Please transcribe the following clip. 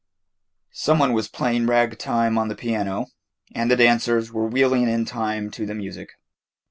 Some one was playing rag time on the piano, and the dancers were wheeling in time to the music.